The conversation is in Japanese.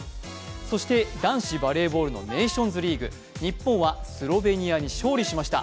そして男子バレーボールのネーションズリーグ、日本はスロベニアに勝利しました。